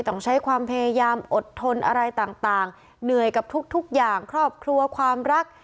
ต้องใช้ความพยายามอดทนอะไรต่างเหนื่อยกับทุกอย่างครอบครัวความรัก